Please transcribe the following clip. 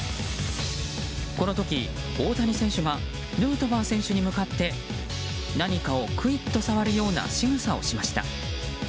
この時、大谷選手がヌートバー選手に向かって何かを、くいっと触るようなしぐさをしました。